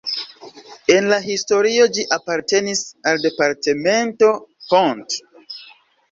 En la historio ĝi apartenis al departemento Hont.